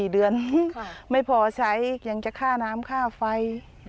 ๔เดือนไม่พอใช้ยังจะค่าน้ำค่าไฟ